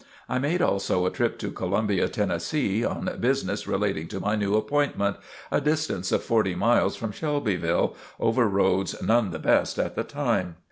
I made also a trip to Columbia, Tennessee, on business relating to my new appointment a distance of forty miles from Shelbyville, over roads none of the best at that time.